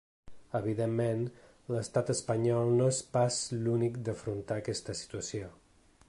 Evidentment, l’estat espanyol no és pas l’únic d’afrontar aquesta situació.